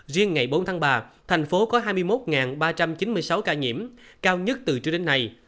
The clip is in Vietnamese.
riêng ngày bốn tháng ba thành phố có hai mươi một ba trăm chín mươi sáu ca nhiễm cao nhất từ trước đến nay